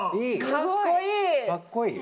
かっこいい！